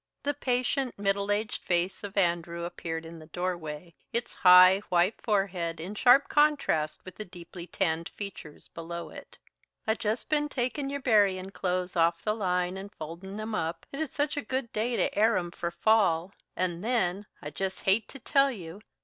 The patient, middle aged face of Andrew appeared in the doorway, its high, white forehead in sharp contrast with the deeply tanned features below it. "I've jest ben takin' your buryin' clothes off the line an' foldin' 'em up. It is such a good day to air 'em for fall and, then, I jest hate to tell you!